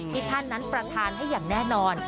ที่ท่านนั้นประธานให้อย่างแน่นอน